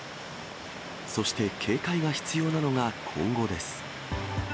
そして、警戒が必要なのが今後です。